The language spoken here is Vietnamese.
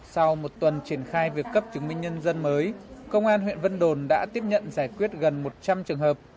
sau một tuần triển khai việc cấp chứng minh nhân dân mới công an huyện vân đồn đã tiếp nhận giải quyết gần một trăm linh trường hợp